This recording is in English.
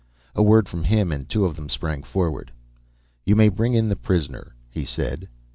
A word from him and two of them sprang forward. "You may bring in the prisoner," he said.